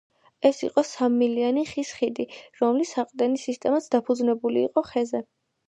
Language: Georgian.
ეს იყო სამმალიანი ხის ხიდი, რომლის საყრდენი სისტემაც დაფუძნებული იყო ხეზე.